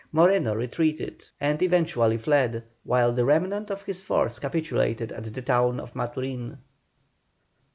Moreno retreated, and eventually fled, while the remnant of his force capitulated at the town of Maturin.